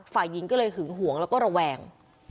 ฝ่ายิ้งก็เลยหนึ่งแล้วก็แวง